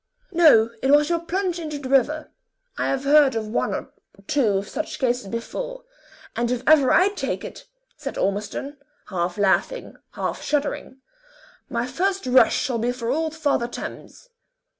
"No, it was your plunge into the river; I have heard of one or two such cases before, and if ever I take it," said Ormiston, half laughing, half shuddering, "my first rush shall be for old Father Thames.